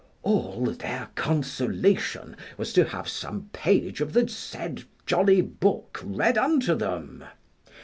All their consolation was to have some page of the said jolly book read unto them.